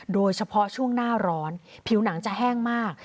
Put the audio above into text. โดยเฉพาะช่วงหน้าร้อนผิวหนังจะแห้งมาก